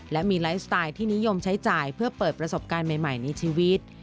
และมีไลฟ์สไตล์ที่นิยมใช้จ่ายเพื่อเปิดประสบการณ์ใหม่ในชีวิต